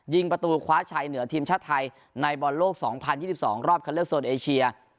ประตูคว้าชัยเหนือทีมชาติไทยในบอลโลก๒๐๒๒รอบคันเลือกโซนเอเชีย